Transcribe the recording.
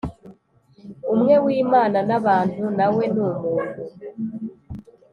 umwe w Imana n abantu na we ni umuntu